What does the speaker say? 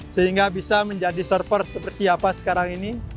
sehingga bisa menjadi server seperti apa sekarang ini